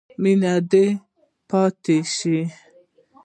مینه دې پاتې شي.